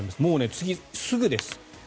次、すぐです。